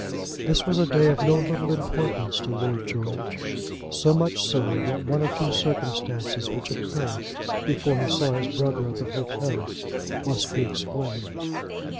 This was a day of no little importance to Lord George; so much so, that one or two circumstances which occurred before he saw his brother at the hotel must be explained.